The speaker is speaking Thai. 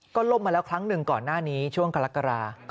ก็ล่มมาแล้วครั้งหนึ่งก่อนหน้านี้ช่วงกรกฎา